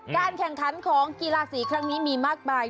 การแข่งขันของกีฬาสีครั้งนี้มีมากมาย